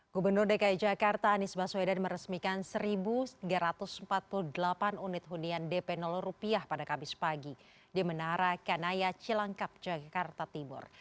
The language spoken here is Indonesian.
gubernur dki jakarta anies baswedan meresmikan satu tiga ratus empat puluh delapan unit hunian dp rupiah pada kamis pagi di menara kanaya cilangkap jakarta timur